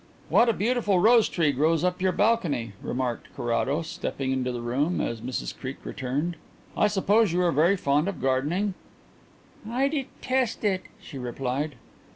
"What a beautiful rose tree grows up your balcony," remarked Carrados, stepping into the room as Mrs Creake returned. "I suppose you are very fond of gardening?" "I detest it," she replied.